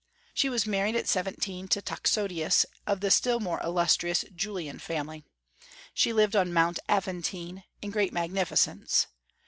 She was married at seventeen to Toxotius, of the still more illustrious Julian family. She lived on Mount Aventine, in great magnificence.